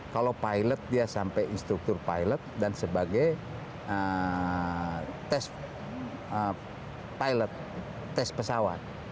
kalau pilot dia sampai instruktur pilot dan sebagai tes pilot tes pesawat